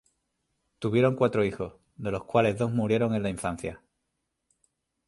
Tuvieron cuatro hijos, de los cuales dos murieron en la infancia.